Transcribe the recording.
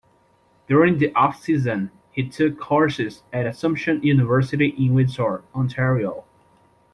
During the off-season, he took courses at Assumption University in Windsor, Ontario.